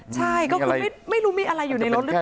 ใช่ก็คือไม่รู้มีอะไรอยู่ในรถหรือเปล่า